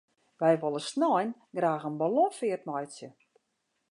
Wy wolle snein graach in ballonfeart meitsje.